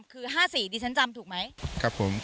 คือ๕๔ดิฉันจำถูกไหม